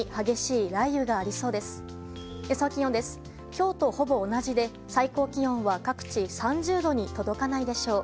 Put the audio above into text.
今日とほぼ同じで、最高気温は各地３０度に届かないでしょう。